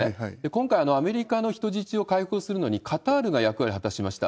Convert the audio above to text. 今回、アメリカの人質を解放するのにカタールが役割を果たしました。